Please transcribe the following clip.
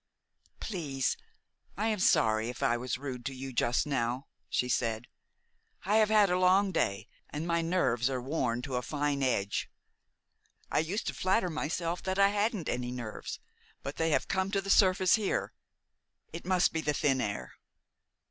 "Please, I am sorry if I was rude to you just now," she said. "I have had a long day, and my nerves are worn to a fine edge. I used to flatter myself that I hadn't any nerves; but they have come to the surface here. It must be the thin air."